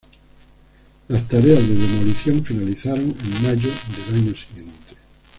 Las tareas de demolición finalizaron en mayo del año siguiente.